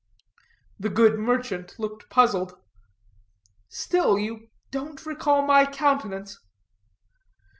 The good merchant looked puzzled. "Still you don't recall my countenance?"